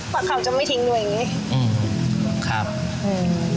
กว่าเขาจะไม่ทิ้งดูอย่างงี้